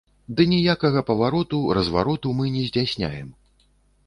Ды ніякага павароту, развароту мы не здзяйсняем.